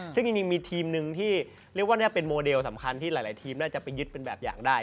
ซึ่งจริงมีทีมหนึ่งที่เรียกว่าเป็นโมเดลสำคัญที่หลายทีมน่าจะไปยึดเป็นแบบอย่างได้